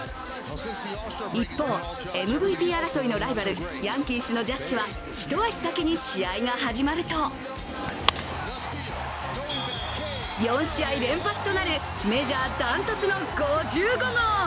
一方、ＭＶＰ争いのライバルヤンキースのジャッジは一足先に試合が始まると４試合連発となるメジャー断トツの５５号。